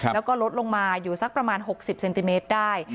แล้วก็ลดลงมาอยู่สักประมาณ๖๐เซนติเมตรได้